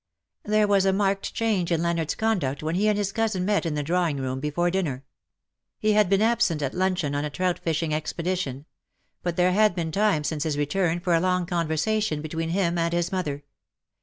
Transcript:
'' There was a marked change in Leonard's con duct when he and his cousin met in the drawing 106 room before dinner. He had been absent at lun cheon^ on a trout fishing expedition ; but there had been time since his return for a long conversation between him and his mother.